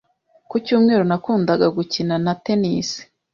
Ku cyumweru nakundaga gukina na tennis.